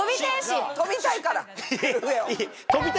飛びたいから上を。